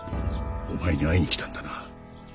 お前に会いにきたんだな。